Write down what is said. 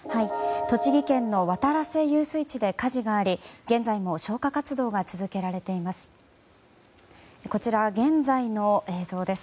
栃木県の渡良瀬遊水地で火事があり現在も消火活動が続けられています。